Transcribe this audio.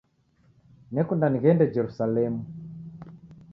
Nekunda nighende Jerusalemu